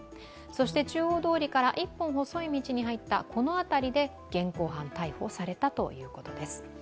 そして、中央通りから１本細い道に入った、このあたりで現行犯逮捕されたということです。